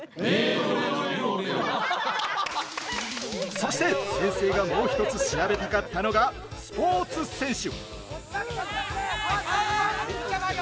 そして、先生がもう１つ調べたかったのがスポーツ選手。